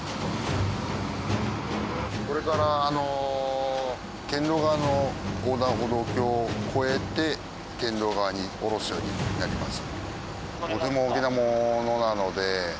これからあの県道側の横断歩道橋を越えて県道側に下ろすようになります。